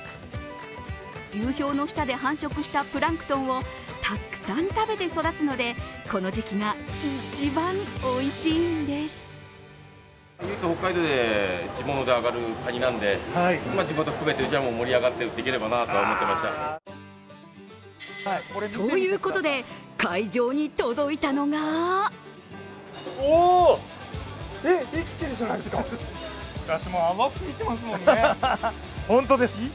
流氷の下で繁殖したプランクトンをたくさん食べて育つのでこの時期が、一番おいしいんです。ということで会場に届いたのがおお、えっ、生きてるじゃないですか！